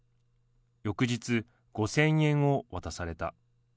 翌日、５０００円を渡された。